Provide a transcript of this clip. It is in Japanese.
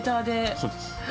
そうです。